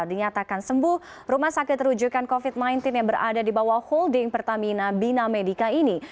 dinyatakan sembuh rumah sakit rujukan covid sembilan belas yang berada di bawah holding pertamina bina medica ini